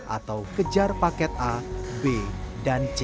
atau kejar paket a b dan c